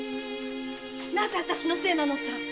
なぜあたしのせいなのさ？